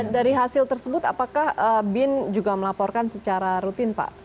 dari hasil tersebut apakah bin juga melaporkan secara rutin pak